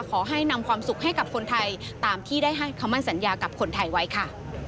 ขอให้นำความสุขให้กับคนไทยตามที่ได้ให้คำมั่นสัญญากับคนไทยไว้ค่ะ